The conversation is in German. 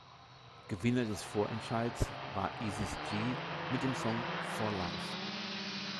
Gewinner des Vorentscheids war "Isis Gee" mit dem Song "For Life".